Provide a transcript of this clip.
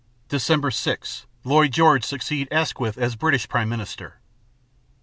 _ Dec. 6 Lloyd George succeeds Asquith as British prime minister. Dec.